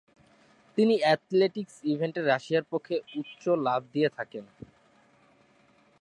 তিনি অ্যাথলেটিক্স ইভেন্টে রাশিয়ার পক্ষে উচ্চ লাফ দিয়ে থাকেন।